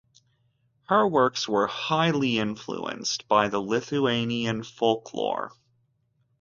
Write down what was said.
Her works were highly influenced by the Lithuanian folklore.